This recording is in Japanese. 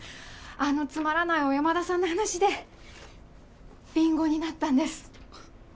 あのつまらない小山田さんの話でビンゴになったんです。